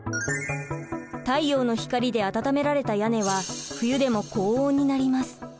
太陽の光で温められた屋根は冬でも高温になります。